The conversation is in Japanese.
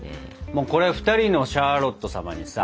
もうこれ２人のシャーロット様にさ。